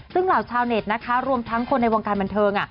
ซึ่งเหล่าชาวเน็ตนะคะรวมทั้งคนในวงการบันเทิง